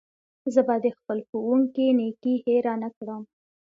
زه به د خپل ښوونکي نېکي هېره نه کړم.